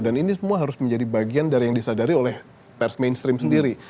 dan ini semua harus menjadi bagian dari yang disadari oleh pers mainstream sendiri